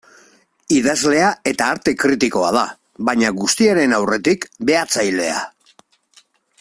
Idazlea eta arte kritikoa da, baina guztiaren aurretik, behatzailea.